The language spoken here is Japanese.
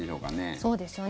そうですよね。